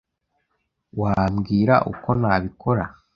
Wambwira uko nabikora?